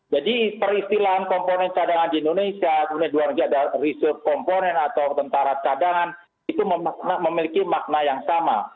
jadi peristilaan komponen cadangan di indonesia dunia dua rakyat dan reserve komponen atau tentara cadangan itu memiliki makna yang sama